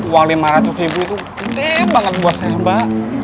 uang lima ratus ribu itu penting banget buat saya mbak